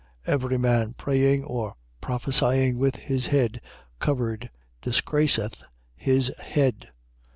11:4. Every man praying or prophesying with his head covered disgraceth his head.